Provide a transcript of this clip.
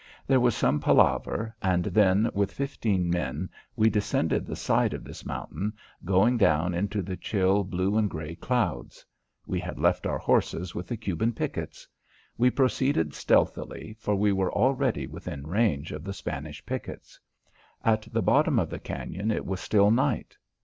There was some palaver and then, with fifteen men, we descended the side of this mountain, going down into the chill blue and grey clouds. We had left our horses with the Cuban pickets. We proceeded stealthily, for we were already within range of the Spanish pickets. At the bottom of the cañon it was still night.